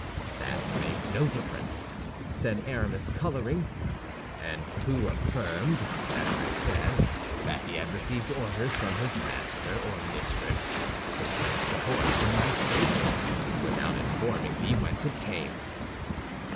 "That makes no difference," said Aramis, coloring; "and who affirmed, as I said, that he had received orders from his master or mistress to place the horse in my stable, without informing me whence it came."